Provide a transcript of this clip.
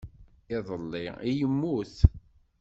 Iḍelli i yemmut.